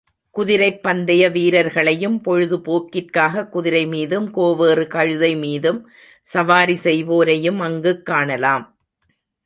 குதிரைப் பந்தய வீரர்களையும், பொழுது போக்கிற்காகக் குதிரை மீதும், கோவேறு கழுதை மீதும் சவாரி செய்வோரையும் அங்குக் காணலாம்.